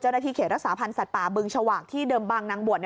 เจ้าหน้าที่เขตรักษาพันธ์การสัตว์ป่าบึงฉวักที่เดิมบังนางบ่วน